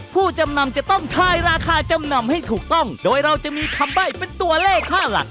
ผู้จำนำจะต้องทายราคาจำนำให้ถูกต้องโดยเราจะมีคำใบ้เป็นตัวเลขค่าหลัก